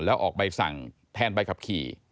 แล้วออกใบสั่งแทนใบขับขี่